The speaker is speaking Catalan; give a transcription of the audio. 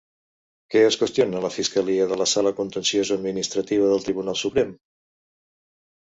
Què es qüestiona la fiscalia de la sala contenciosa-administrativa del Tribunal Suprem?